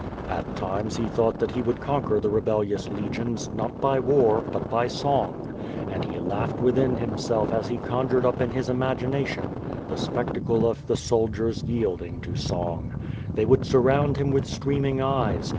At times he thought that he would conquer the rebel lous legions, not by war, but by song. And he laughed within himself as he conjured up in his imagination the spectacle of the soldiers yielding to song. They would surround him with streaming eyes.